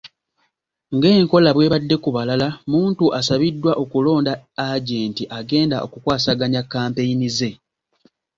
Ng'enkola bw'ebadde ku balala, Muntu asabiddwa okulonda agenti agenda okukwasaganya kkampeyini ze